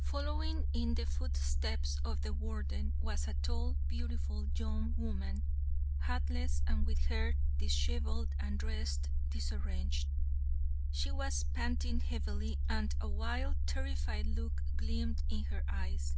"Following in the footsteps of the Warden, was a tall, beautiful, young woman, hatless, and with hair disheveled and dress disarranged. She was panting heavily, and a wild, terrified look gleamed in her eyes.